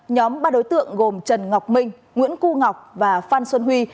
nhóm ba đối tượng gồm trần ngọc minh nguyễn cư ngọc và phan xuân huy